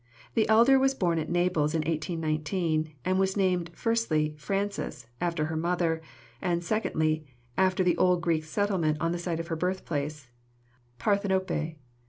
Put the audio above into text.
The elder was born at Naples in 1819, and was named, firstly, Frances, after her mother, and, secondly, after the old Greek settlement on the site of her birthplace, Parthenope.